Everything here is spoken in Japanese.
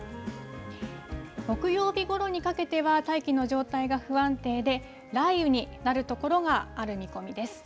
木曜日ごろにかけては、大気の状態が不安定で、雷雨になる所がある見込みです。